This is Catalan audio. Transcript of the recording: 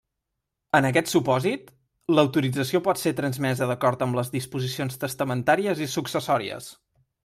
En aquest supòsit, l'autorització pot ser transmesa d'acord amb les disposicions testamentàries i successòries.